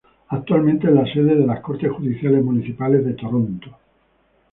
Actualmente es la sede de las cortes judiciales municipales de Toronto.